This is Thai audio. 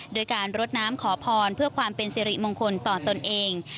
โดยการรดน้ำขอพรเพื่อความเป็นสิริมงคลต่อตนเอง